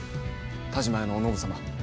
田嶋屋のお信様。